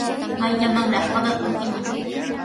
¿Mayllamanraq pakakunkiman?